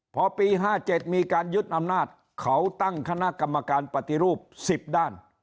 พอปี๕๗มีการยึดอำนาจเขาตั้งคณะกรรมการปฏิรูป๑๐ด้าน